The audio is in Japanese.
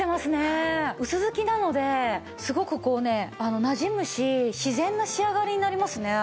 薄付きなのですごくこうねなじむし自然な仕上がりになりますね。